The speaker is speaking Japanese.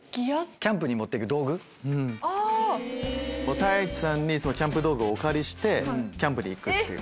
太一さんにキャンプ道具をお借りしてキャンプに行くっていう。